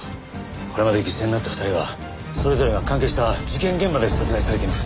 これまで犠牲になった２人はそれぞれが関係した事件現場で殺害されています。